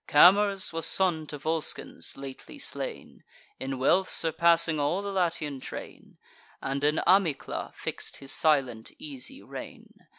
Camers was son to Volscens lately slain, In wealth surpassing all the Latian train, And in Amycla fix'd his silent easy reign.